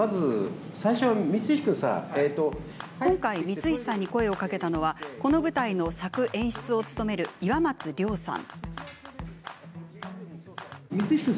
今回、光石さんに声をかけたのはこの舞台の作・演出を務める岩松了さん。